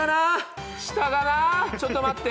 下がなちょっと待って。